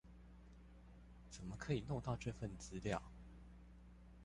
怎麼可以弄到這份資料